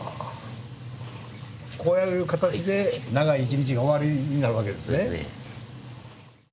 こうやる形で長い１日が終わりになるわけですね。